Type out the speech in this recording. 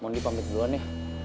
mohon dipamit duluan nih